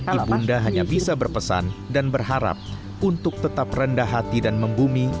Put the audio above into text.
ibunda hanya bisa berpesan dan berharap untuk tetap rendah hati dan membumi